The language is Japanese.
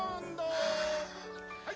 はい」。